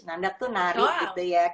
nandak itu nari gitu ya